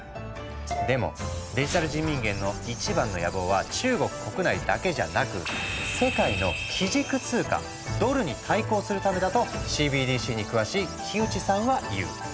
でもデジタル人民元の一番の野望は中国国内だけじゃなく世界の基軸通貨ドルに対抗するためだとＣＢＤＣに詳しい木内さんは言う。